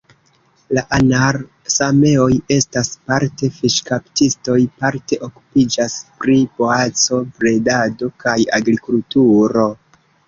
La anar-sameoj estas parte fiŝkaptistoj, parte okupiĝas pri boaco-bredado kaj agrikulturo.